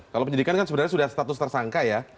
kalau penyidikan kan sebenarnya sudah status tersangka ya